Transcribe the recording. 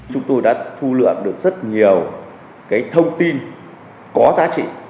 chúng tôi đã thu lượm được rất nhiều thông tin có giá trị